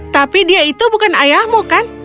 tapi dia itu bukan ayahmu kan